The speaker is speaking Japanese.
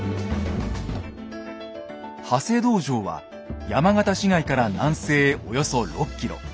長谷堂城は山形市街から南西へおよそ６ｋｍ。